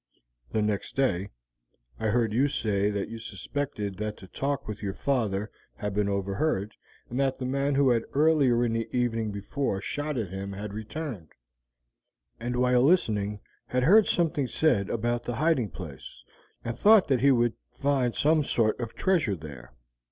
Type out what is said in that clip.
The next day I heard you say that you suspected that the talk with your father had been overheard, and that the man who had earlier in the evening before shot at him had returned, and while listening had heard something said about the hiding place, and thought that he would find some sort of treasure there.